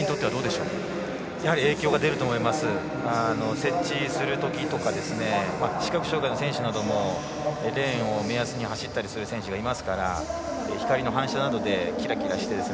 接地するときとか視覚障がいの選手などもレーンを目安に走ったりする選手がいますから光の反射などでキラキラして。